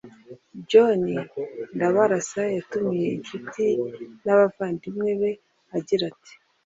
John Ndabarasa yatumiye incuti n’abandimwe be agira ati